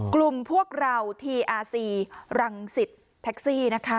กลุ่มพวกเราทีอาซีรังสิตแท็กซี่นะคะ